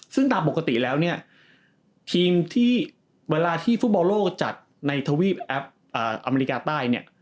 ซึ่งตามปกติแล้วเนี่ยทีมที่เวลาที่ฟุตบอลโลกจัดในทวีปแอปอเมริกาใต้เนี่ย